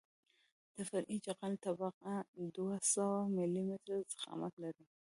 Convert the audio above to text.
د فرعي جغل طبقه دوه سوه ملي متره ضخامت لري